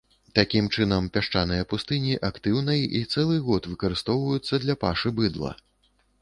Такім чынам, пясчаныя пустыні актыўна і цэлы год выкарыстоўваюцца для пашы быдла.